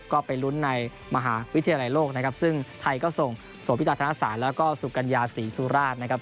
ก็ไปลุ้นในมหาวิทยาลัยโลกนะครับซึ่งไทยก็ส่งโสพิตาธนสารแล้วก็สุกัญญาศรีสุราชนะครับ